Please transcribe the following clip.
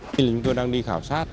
chúng tôi đang đi khảo sát